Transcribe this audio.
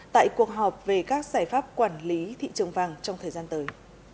tại cuộc họp về các giải pháp quản lý thị trường vàng trong thời gian tới